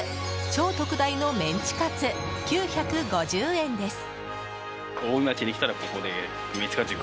超特大のメンチカツ９５０円です。